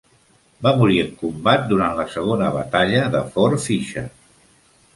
Va morir en combat durant la segona batalla de Fort Fisher.